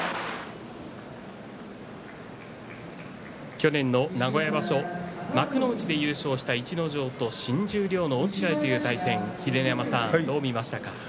去年の名古屋場所幕内で優勝した逸ノ城と新十両の落合という対戦秀ノ山さんどう見ましたか？